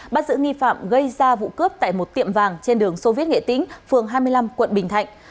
bắt giữ nghi phạm gây ra vụ cướp tại một tiệm vàng trên đường sô viết nghệ tĩnh phường hai mươi năm quận bình thạnh